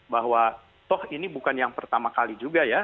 bahwa toh ini bukan yang pertama kali juga ya